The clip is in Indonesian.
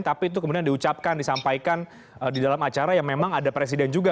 tapi itu kemudian diucapkan disampaikan di dalam acara yang memang ada presiden juga